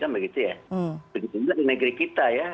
begitu juga di negeri kita ya